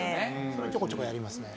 それちょこちょこやりますね。